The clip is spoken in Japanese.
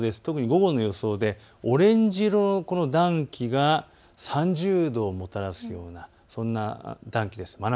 午後の予想でオレンジ色の暖気が３０度をもたらすようなそんな暖気です。